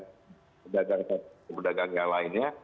kemudian pedagang yang lainnya